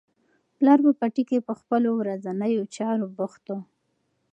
پلار په پټي کې په خپلو ورځنیو چارو بوخت و.